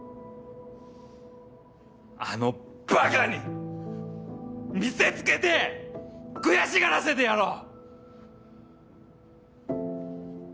あのバカに見せつけて悔しがらせてやろう！